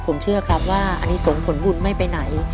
ผมเชื่อครับว่าอันนี้ส่งผลบุญไม่ไปไหน